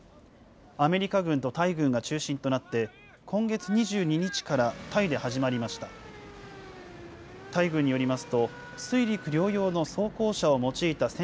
アメリカ軍とタイ軍が中心となって、今月２２日からタイで始まりました。